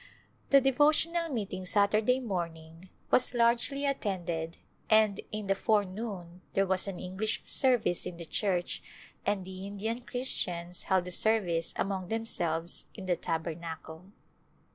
The devotional meeting Saturday morning was [ 343] A Glimpse of India largely attended and in the forenoon there was an English service in the church and the Indian Chris tians held a service among themselves in the tabernacle.